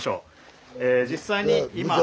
実際に今。